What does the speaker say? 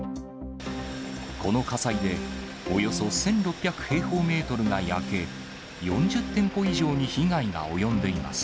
この火災でおよそ１６００平方メートルが焼け、４０店舗以上に被害が及んでいます。